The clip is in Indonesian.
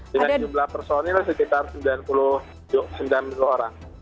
dengan jumlah personil sekitar sembilan puluh orang